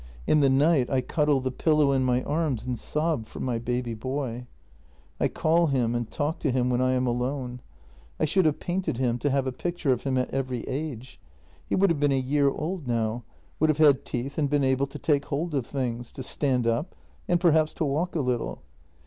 In the night I cuddle the pillow in my arms and sob for my baby boy. I call him and talk to him when I am alone. I should have painted him, to have a picture of him at every age. He would have been a year old now, would have had teeth and been able to take hold of things, to stand up, and perhaps to walk a little.